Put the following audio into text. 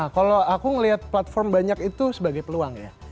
kalau aku ngeliat platform banyak itu sebagai peluang ya